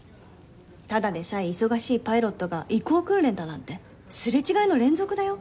ただでさえ忙しいパイロットが移行訓練だなんてすれ違いの連続だよ。